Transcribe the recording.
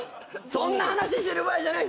そんな話してる場合じゃない！